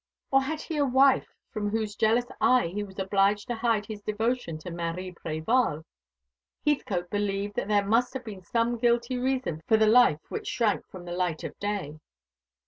or had he a wife from whose jealous eye he was obliged to hide his devotion to Marie Prévol? Heathcote believed that there must have been some guilty reason for the life which shrank from the light of day.